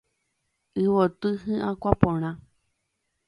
Yvoty hyakuã porã.